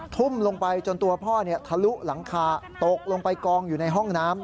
ทุ่มลงไปจนตัวพ่อทะลุหลังคาตกลงไปกองอยู่ในห้องน้ำ